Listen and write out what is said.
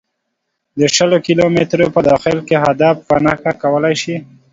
د شل کیلو مترو په داخل کې هدف په نښه کولای شي